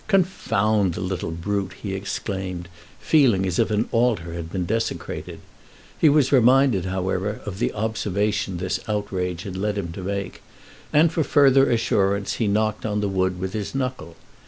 "Confound the little brute!" he exclaimed, feeling as if an altar had been desecrated. He was reminded, however, of the observation this outrage had led him to make, and, for further assurance, he knocked on the wood with his knuckle.